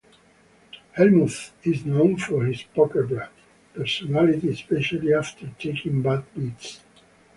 Hellmuth is known for his "Poker Brat" personality, especially after taking bad beats.